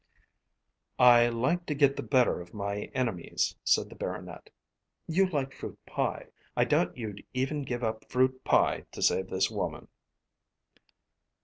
"I like to get the better of my enemies," said the Baronet. "You like fruit pie. I doubt if you'd even give up fruit pie to save this woman."